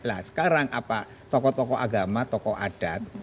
nah sekarang apa tokoh tokoh agama tokoh adat